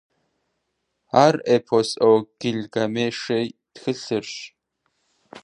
Ар «Эпос о Гильгамеше» тхылъырщ.